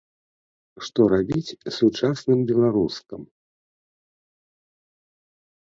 Што рабіць сучасным беларускам?